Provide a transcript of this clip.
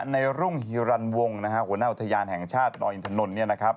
ในรุ่งฮิรันวงศ์หัวหน้าอุทยานแห่งชาตินอยอินทนนท์